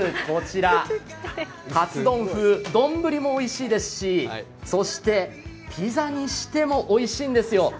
こちら、カツ丼風丼もおいしいですし、そしてピザにしてもおいしいんですよ。